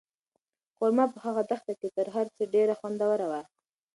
خورما په هغه دښته کې تر هر څه ډېره خوندوره وه.